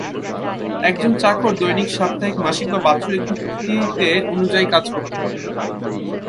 একজন চাকর দৈনিক, সাপ্তাহিক, মাসিক বা বাৎসরিক ভিত্তিতে অনুযায়ী কাজ করতে পারে।